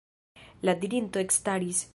La dirinto ekstaris.